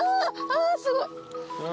あすごいね。